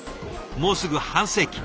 もうすぐ半世紀。